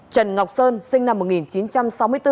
trần ngọc sơn sinh năm một nghìn chín trăm sáu mươi bốn